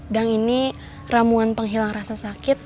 gang ini ramuan penghilang rasa sakit